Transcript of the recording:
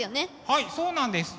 はいそうなんです